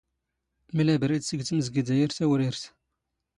ⵎⵍ ⴰⴱⵔⵉⴷ ⵙⴳ ⵜⵎⵣⴳⵉⴷⴰ ⴰⵔ ⵜⴰⵡⵔⵉⵔⵜ.